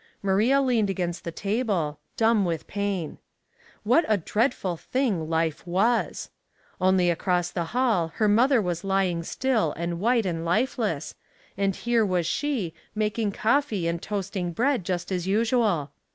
Maria leaned against the table, dumb with pain. What a dreadful thing life was! Only across the hall her mother was lying still and white and lifeless, and here was she making coffee and toasting bread just as usual.